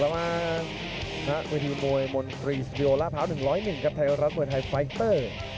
แล้วมานักวิทยุมวยมนตรีสวิโลล่าพร้าว๑๐๑กับไทยรัฐมือไทยไฟตเตอร์